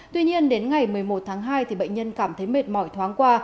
tuy nhiên đến ngày một mươi một tháng hai bệnh nhân cảm thấy mệt mỏi thoáng qua